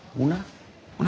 何？